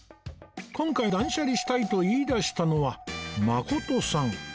今回断捨離したいと言い出したのはまことさん